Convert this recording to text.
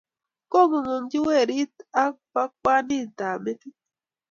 Ko ngunyinyi werit ak bo ngwanin ab metit